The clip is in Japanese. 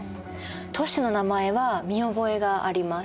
都市の名前は見覚えがあります。